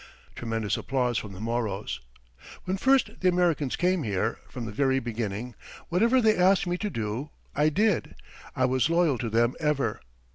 (Tremendous applause from the Moros.) "When first the Americans came here, from the very beginning, whatever they asked me to do I did. I was loyal to them ever.